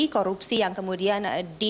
korupsi yang kemudian dididik